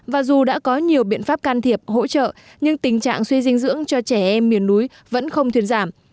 và dù đã có nhiều biện pháp can thiệp hỗ trợ nhưng tình trạng suy dinh dưỡng cho trẻ em miền núi vẫn không thuyền giảm